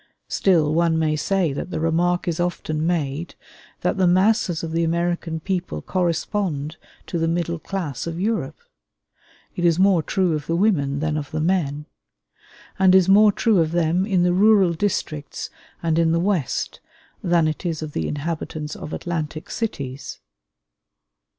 Still one may say that the remark so often made, that the masses of the American people correspond to the middle class of Europe, is more true of the women than of the men; and is more true of them, in the rural districts and in the West than it is of the inhabitants of Atlantic cities.